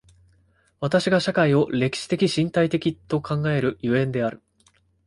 私が社会を歴史的身体的と考える所以である。